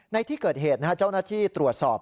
ในที่เกิดเหตุเจ้าหน้าที่ตรวจสอบ